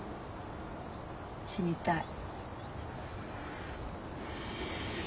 死にたい。